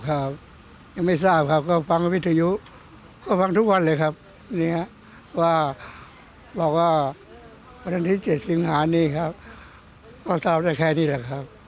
ก็ตามได้แค่นี้แหละครับ